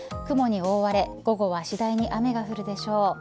雲に覆われ午後は次第に雨が降るでしょう。